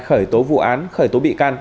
khởi tố vụ án khởi tố bị can